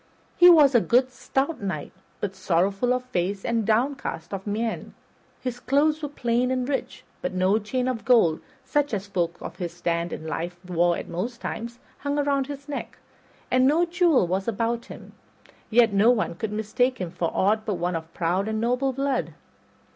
He was a good stout knight, but sorrowful of face and downcast of mien. His clothes were plain and rich, but no chain of gold, such as folk of his stand in life wore at most times, hung around his neck, and no jewel was about him; yet no one could mistake him for aught but one of proud and noble blood.